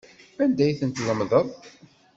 Anda ay tent-tlemdeḍ?